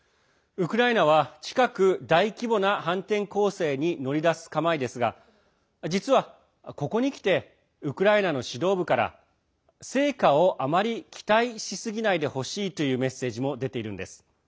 ウクライナは近く大規模な反転攻勢に乗り出す構えですが実は、ここにきてウクライナの指導部から成果をあまり期待しすぎないでほしいというメッセージも出ているんです。